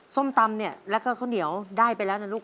ส้มตำเนี่ยแล้วก็ข้าวเหนียวได้ไปแล้วนะลูก